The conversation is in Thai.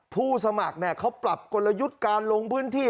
ผู้สมัครเขาปรับกลยุทธ์การลงพื้นที่